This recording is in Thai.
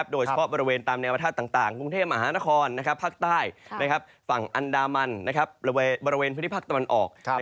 โดยเฉพาะบริเวณตามแนวประทับต่างกรุงเทพมหานครภักดิ์ใต้ฝั่งอันดรามันบริเวณภื้นภาคตำรรณออก